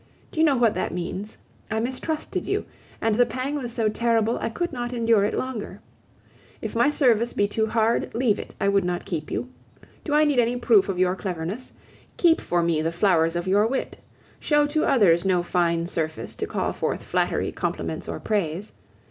Do you know what that means? I mistrusted you, and the pang was so terrible, I could not endure it longer. If my service be too hard, leave it, I would not keep you. Do I need any proof of your cleverness? Keep for me the flowers of your wit. Show to others no fine surface to call forth flattery, compliments, or praise.